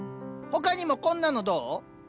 他にもこんなのどう？